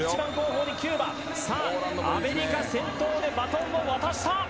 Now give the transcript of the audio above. アメリカ、先頭でバトンを渡した！